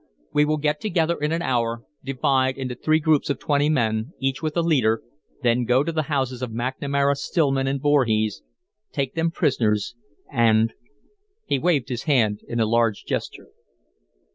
We will get together in an hour, divide into three groups of twenty men, each with a leader, then go to the houses of McNamara, Stillman, and Voorhees, take them prisoners, and " He waved his hand in a large gesture.